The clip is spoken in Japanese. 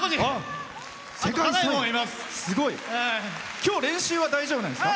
今日、練習は大丈夫なんですか？